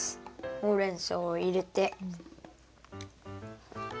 ほうれんそうを入れて。